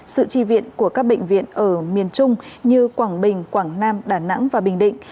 sự tri viện của các bệnh viện ở miền trung như quảng bình quảng nam đà nẵng và bình định